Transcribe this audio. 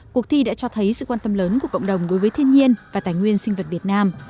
cuộc thi đã cho thấy sự quan tâm lớn của cộng đồng đối với thiên nhiên và tài nguyên sinh vật việt nam